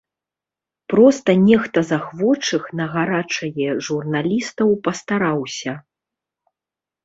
Проста нехта з ахвочых на гарачае журналістаў пастараўся.